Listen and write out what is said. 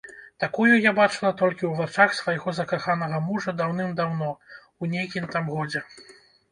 Такую я бачыла толькі ў вачах свайго закаханага мужа даўным-даўно, у нейкім там годзе.